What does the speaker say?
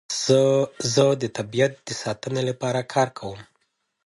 زه د طبیعت د ساتنې لپاره کار کوم.